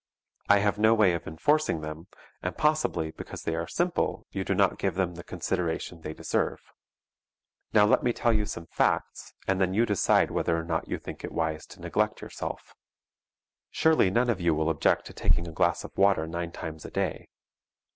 I have no way of enforcing them, and possibly because they are simple you do not give them the consideration they deserve. Now let me tell you some facts, and then you decide whether or not you think it wise to neglect yourself. Surely none of you will object to taking a glass of water nine times a day.